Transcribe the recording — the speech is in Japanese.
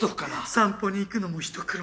散歩に行くのも一苦労。